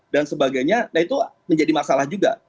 dan sebagainya nah itu menjadi masalah juga